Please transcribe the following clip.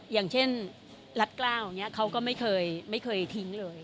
อย่างเช่นรัดกล้าวเขาก็ไม่เคยทิ้งเลย